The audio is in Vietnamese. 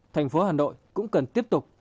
thành phố hà nội cũng cần tiếp tục